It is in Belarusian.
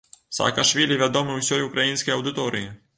Саакашвілі вядомы ўсёй украінскай аўдыторыі.